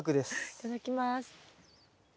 いただきます。